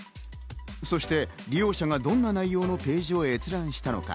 そして利用者がどんな内容のページを閲覧したのか。